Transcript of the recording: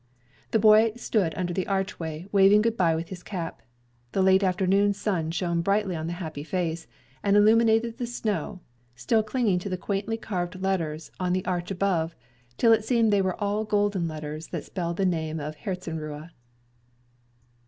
The boy stood under the archway waving good bye with his cap. The late afternoon sun shone brightly on the happy face, and illuminated the snow, still clinging to the quaintly carved letters on the arch above, till it seemed they were all golden letters that spelled the name of Herzenruhe.